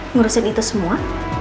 ngurusin itu semua